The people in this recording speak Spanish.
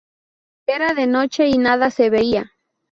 Era de noche y nada se veía.